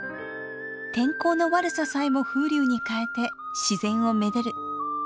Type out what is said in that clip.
天候の悪ささえも風流にかえて自然をめでる粋な言葉です。